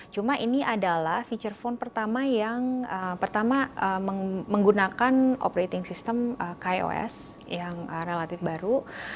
cuma ini adalah feature phone pertama yang pertama menggunakan operating system kios yang relatif baru